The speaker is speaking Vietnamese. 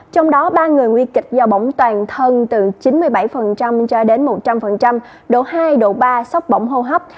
trong đó ba người nguy kịch do bỏng toàn thân từ chín mươi bảy cho đến một trăm linh độ hai độ ba sốc bỏng hô hấp